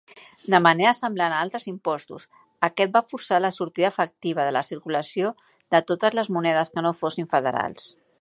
De manera semblant a altres impostos, aquest va forçar la sortida efectiva de la circulació de totes les monedes que no fossin federals.